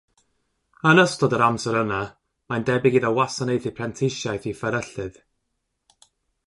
Yn ystod yr amser yna mae'n debyg iddo wasanaethu prentisiaeth i fferyllydd.